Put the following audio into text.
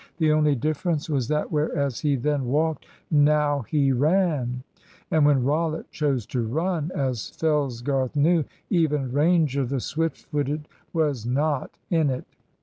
The only difference was that whereas he then walked, now he ran. And when Rollitt chose to run, as Fellsgarth knew, even Ranger, the swift footed, was not in it.